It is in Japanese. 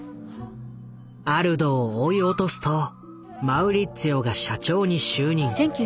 アルドを追い落とすとマウリッツィオが社長に就任。